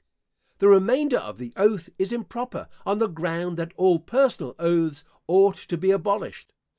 The remainder of the oath is improper, on the ground, that all personal oaths ought to be abolished.